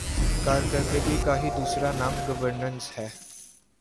کارکردگی ہی کا دوسرا نام گورننس ہے۔